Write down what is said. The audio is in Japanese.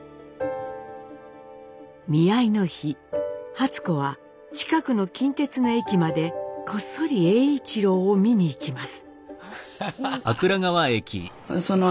見合いの日初子は近くの近鉄の駅までこっそり栄一郎を見に行きます。